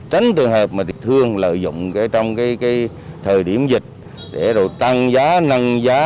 tránh trường hợp tiểu thương lợi dụng trong thời điểm dịch để tăng giá năng giá